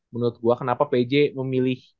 menurut gue kenapa pj memilih